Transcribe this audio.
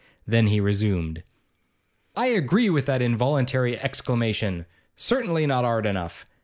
Then he resumed. 'I agree with that involuntary exclamation. Certainly, not 'ard enough.